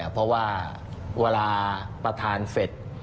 เพราะว่าเวลาประธานเสร็จ